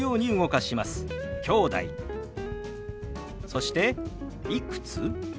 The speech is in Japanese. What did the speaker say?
そして「いくつ？」。